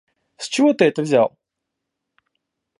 С чего ты это взял?